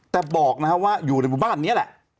แต่บอกนะฮะว่าอยู่ในหมู่บ้านนี้แหละ